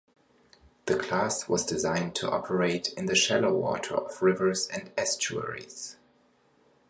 The class was designed to operate in the shallow water of rivers and estuaries.